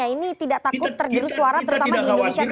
ini tidak takut terjadi suara terutama di indonesia timur